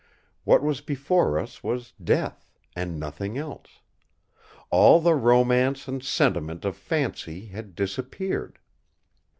What was before us was Death, and nothing else. All the romance and sentiment of fancy had disappeared.